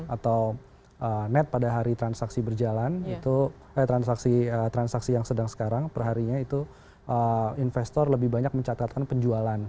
atau net pada hari transaksi berjalan transaksi yang sedang sekarang perharinya itu investor lebih banyak mencatatkan penjualan